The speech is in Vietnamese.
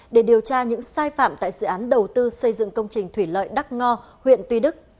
để điều tra những sai phạm tại dự án đầu tư xây dựng công trình thủy lợi đắc ngo huyện tuy đức